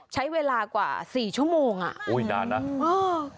ใช้เวลากว่าสี่ชั่วโมงอ่ะโอ้ยนานนะเออ